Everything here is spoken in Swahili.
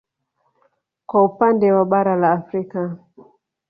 Kwa upande wa bara la Afrika